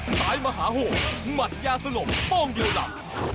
สายมหาโหหมัดแย้วสลบป้องเดียวหลับ